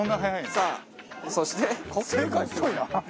さあそして？